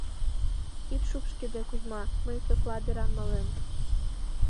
— Ит шупшкеде, Кузьма, мый Пӧкла деран малем.